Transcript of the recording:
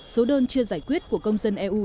số đơn chưa giải quyết của công dân eu